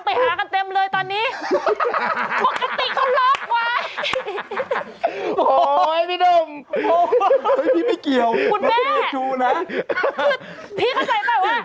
เพื่อนเยอะอย่างเงียบเป็นจริงครับพี่มธคุณตั้งไอดีไลน์อันนี้เหรอ